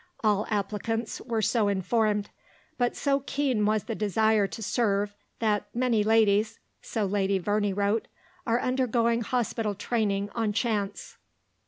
All applicants were so informed; but so keen was the desire to serve, that "many ladies," so Lady Verney wrote, "are undergoing hospital training on chance."